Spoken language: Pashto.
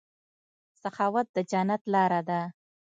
سخاوت د جنت لاره ده.